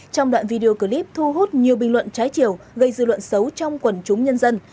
trong đoạn video clip thu hút nhiều bình luận trái chiều gây dư luận xấu trong quần chúng nhân dân